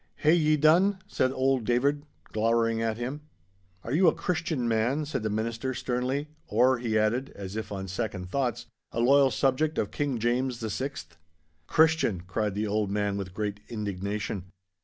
Hae ye done?' said old David, glowering at him. 'Are you a Christian man?' said the Minister, sternly, 'or,' he added, as if on second thoughts, 'a loyal subject of King James the Sixth?' 'Christian!' cried the old man with great indignation.